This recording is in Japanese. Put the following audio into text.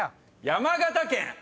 「山形県」